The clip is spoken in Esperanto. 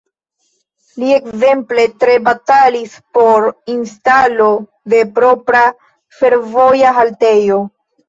Li ekzemple tre batalis por instalo de propra fervoja haltejo.